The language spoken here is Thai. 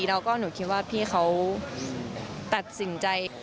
แล้วก็หนูคิดว่าพี่เขาตัดสินใจ